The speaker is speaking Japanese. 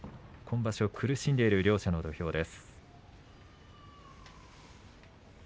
今場所、苦しんでいる両者の土俵です。